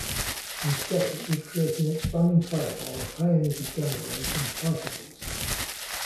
Instead, it would create an expanding fireball of high-energy gamma rays and particles.